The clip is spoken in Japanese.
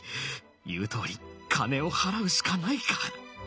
言うとおり金を払うしかないか。